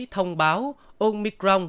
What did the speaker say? thông báo omicron